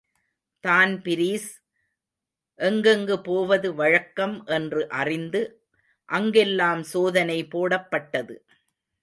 தான்பிரீஸ், எங்கெங்கு போவது வழக்கம் என்று அறிந்து, அங்கெல்லாம் சோதனை போடப்பட்டது.